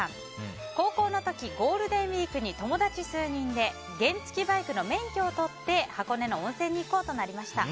高校の時、ゴールデンウィークに友達数人で原付きバイクの免許を取って箱根の温泉に行こうとなりました。